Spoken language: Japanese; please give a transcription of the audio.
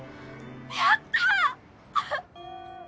やった！